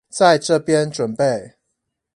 在這邊準備